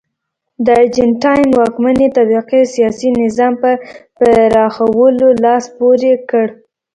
د ارجنټاین واکمنې طبقې سیاسي نظام په پراخولو لاس پورې کړ.